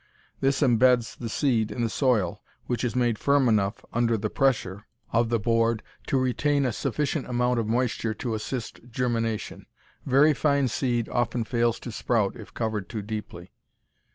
This embeds the seed in the soil, which is made firm enough under the pressure of the board to retain a sufficient amount of moisture to assist germination. Very fine seed often fails to sprout if covered too deeply.